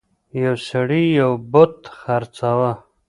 یو سړي یو بت خرڅاوه.